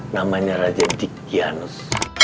namanya raja digianus